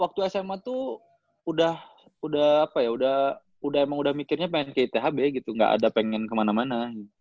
waktu sma tuh udah apa ya udah emang udah mikirnya pengen ke ithb gitu gak ada pengen kemana mana